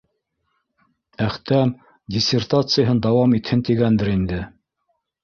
Әхтәм диссертацияһын дауам итһен тигәндер инде